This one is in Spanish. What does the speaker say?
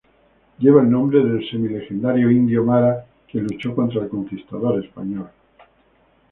Lleva el nombre del semi legendario Indio Mara quien luchó contra el conquistador español.